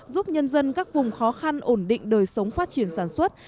giúp nhân dân các vùng khó khăn ổn định đời sống phát triển sản xuất